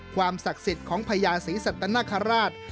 ความศักดิ์สิทธิ์ของพญาศรีสัตนคราช